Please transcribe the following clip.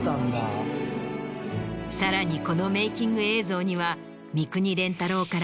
このメイキング映像には。